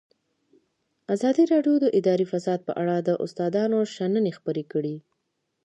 ازادي راډیو د اداري فساد په اړه د استادانو شننې خپرې کړي.